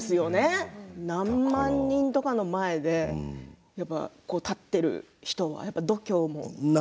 何万人とかの前で立っている人、度胸も違うし。